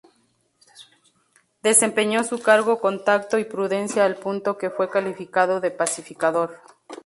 Desempeñó su cargo con tacto y prudencia al punto que fue calificado de "pacificador".